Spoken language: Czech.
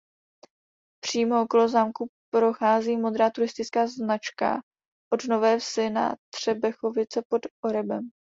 Přímo okolo zámku prochází modrá turistická značka od Nové Vsi na Třebechovice pod Orebem.